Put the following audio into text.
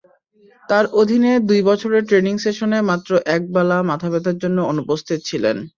তাঁর অধীনে দুই বছরের ট্রেনিং সেশনে মাত্র একবেলা মাথাব্যথার জন্য অনুপস্থিত ছিলেন।